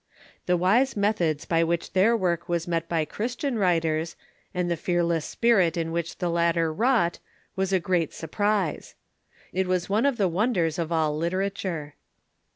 The wise methods by which their work was met by Christian writers, and the fearless spirit in which the latter Avrought, was a great surprise. It is one of the wonders of all literature.